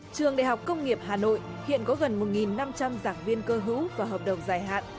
trường đại học công nghiệp hà nội hiện có gần một năm trăm linh giảng viên cơ hữu và hợp đồng dài hạn